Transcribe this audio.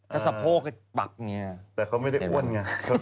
กระสะโพกแบบแต่เขาไม่ได้อ้วนไง